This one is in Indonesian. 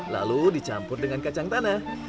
lalu dicampur dengan kacang tanah